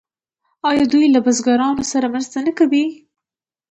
آیا دوی له بزګرانو سره مرسته نه کوي؟